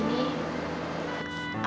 mulai saat ini